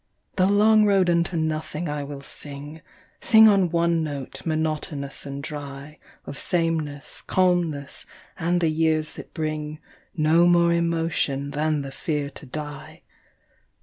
The long road unto nothing I will sing, Sing on one note, monotonous and dry, Of sameness, calmness, and the years that bring No more emotion than the fear to die.